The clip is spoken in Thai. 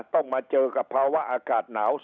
ต้องมาเจอกับภาวะอากาศหนาว